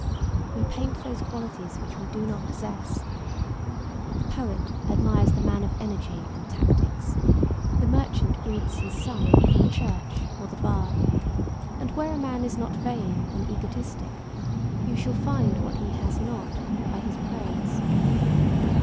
We paint those qualities which we do not possess. The poet admires the man of energy and tactics; the merchant breeds his son for the church or the bar; and where a man is not vain and egotistic you shall find what he has not by his praise.